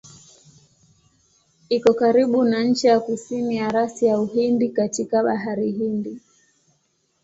Iko karibu na ncha ya kusini ya rasi ya Uhindi katika Bahari Hindi.